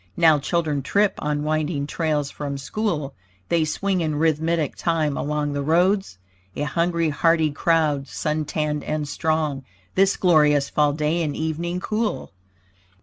Now children trip on winding trails from school; They swing in rhythmic time along the roads; A hungry, hearty crowd, suntanned and strong. This glorious fall day in evening cool.